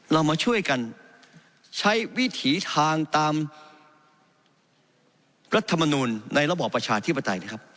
เรามาช่วยกันใช้วิถีทางตามรัฐมนูลในระบอบประชาธิปไตยนะครับ